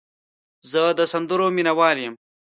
زه د سندرو مینه وال یم.